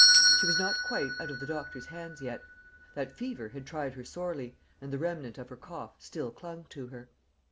She was not quite out of the doctor's hands yet; that fever had tried her sorely, and the remnant of her cough still clung to her.